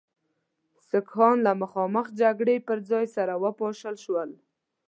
سیکهان له مخامخ جګړې پر ځای سره وپاشل شول.